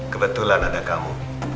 kebetulan ada kamu